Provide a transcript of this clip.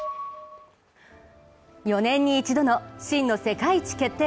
４年に一度の真の世界一決定